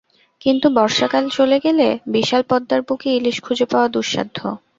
কিন্তু বর্ষাকাল চলে গেলে বিশাল পদ্মার বুকে ইলিশ খুঁজে পাওয়া দুঃসাধ্য।